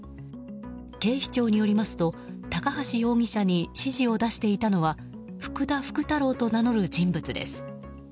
警視庁によりますと高橋容疑者に指示を出していたのは福田福太郎と名乗る人物です。